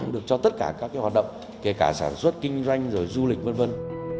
được cho tất cả các hoạt động kể cả sản xuất kinh doanh rồi du lịch vân vân